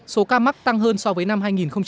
số ca mắc tăng hơn so với năm hai nghìn một mươi tám